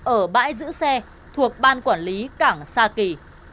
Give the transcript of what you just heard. ở bãi giữ xe thuộc ban quản lý cảng sa kỳ